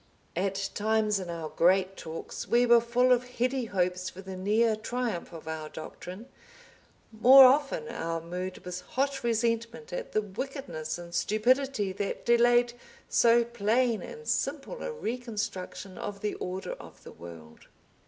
At times in our great talks we were full of heady hopes for the near triumph of our doctrine, more often our mood was hot resentment at the wickedness and stupidity that delayed so plain and simple a reconstruction of the order of the world.